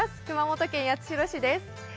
熊本県八代市です。